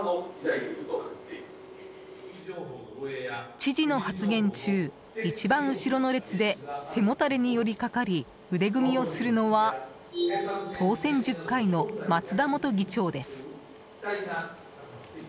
知事の発言中、一番後ろの列で背もたれに寄りかかり腕組みをするのは当選１０回の松田元議長です。